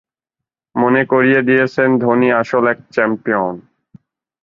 মনে করিয়ে দিয়েছেন, ধোনি আসল এক চ্যাম্পিয়ন।